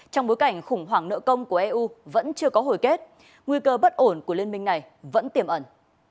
trong bối cảnh khủng hoảng nợ công của eu vẫn chưa có hồi kết nguy cơ bất ổn của liên minh này vẫn tiềm ẩn